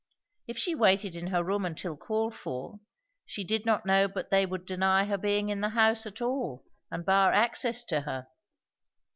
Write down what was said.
If she waited in her room until called for, she did not know but they would deny her being in the house at all and bar access to her.